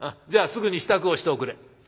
じゃあすぐに支度をしておくれ。